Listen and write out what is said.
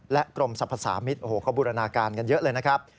กรมสรรพสามิตรโอ้โหเขาบูรณาการกันเยอะเลยนะครับ